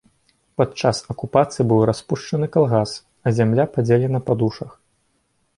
Падчас акупацыі быў распушчаны калгас а зямля падзелена па душах.